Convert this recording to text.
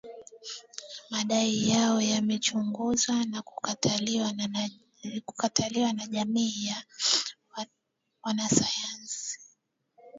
madai hayo yamechunguzwa na kukataliwa na jamii ya wanasayansi